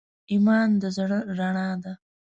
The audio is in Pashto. ایمان د زړه رڼا ده.